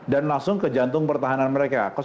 dan langsung ke jantung pertahanan mereka